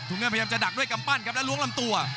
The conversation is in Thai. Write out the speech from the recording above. เงินพยายามจะดักด้วยกำปั้นครับแล้วล้วงลำตัว